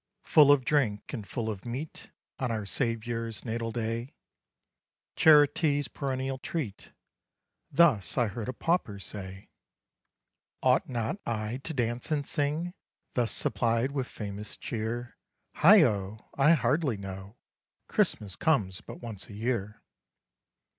Full of drink and full of meat, On our SAVIOUR'S natal day, CHARITY'S perennial treat; Thus I heard a Pauper say: "Ought not I to dance and sing Thus supplied with famous cheer? Heigho! I hardly know Christmas comes but once a year.